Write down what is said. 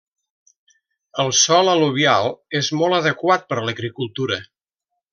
El sòl al·luvial és molt adequat per l'agricultura.